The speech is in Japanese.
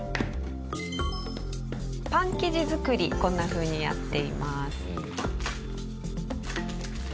パン生地作りこんなふうにやっています。